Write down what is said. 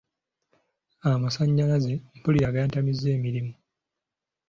Amasannyalaze mpulira gantamizza emirimu.